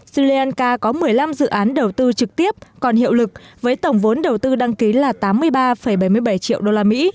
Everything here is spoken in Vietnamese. sri lanka có một mươi năm dự án đầu tư trực tiếp còn hiệu lực với tổng vốn đầu tư đăng ký là tám mươi ba bảy mươi bảy triệu đô la mỹ